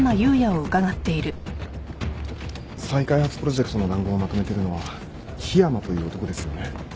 再開発プロジェクトの談合をまとめてるのは樋山という男ですよね